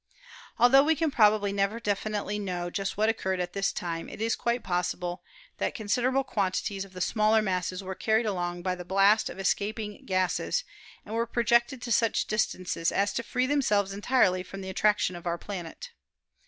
Altho we can probably never definitely know just what occurred at this time, it is quite possible that considerable quantities of the smaller masses were carried along by the blast of escaping gases and were projected to such distances as to free themselves entirely from the attraction of our planet.